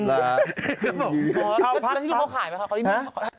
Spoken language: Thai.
แล้วพี่หนูเค้าขายไหมหน่อย